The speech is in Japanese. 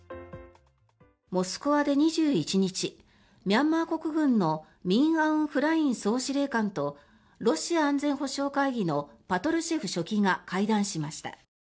モスクワで２１日ミャンマー国軍のミン・アウン・フライン総司令官とロシア安全保障会議のパトルシェフ書記が会談しました。